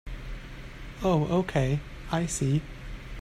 Oh okay, I see.